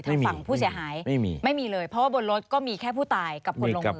ทางฝั่งผู้เสียหายไม่มีไม่มีเลยเพราะว่าบนรถก็มีแค่ผู้ตายกับคนลงมือ